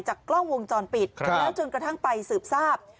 กล้องวงจรปิดแล้วจนกระทั่งไปสืบทราบ